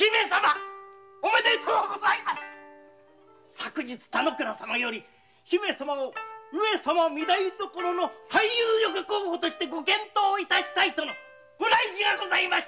昨日田之倉様より姫様を上様の御台所最有力候補として検討致したいとのご内示がございましたぞ。